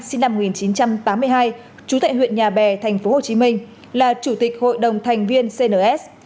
sinh năm một nghìn chín trăm tám mươi hai trú tại huyện nhà bè tp hcm là chủ tịch hội đồng thành viên cns